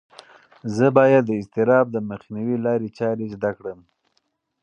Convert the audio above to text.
زه باید د اضطراب د مخنیوي لارې چارې زده کړم.